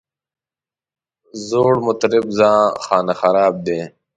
زوړ مطرب خانه خراب دی.